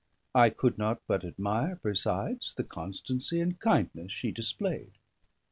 I could not but admire, besides, the constancy and kindness she displayed.